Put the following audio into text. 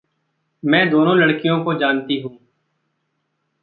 मैं दोनों लड़कीयों को जानती हूँ।